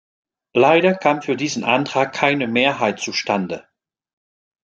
Leider kam für diesen Antrag keine Mehrheit zustande.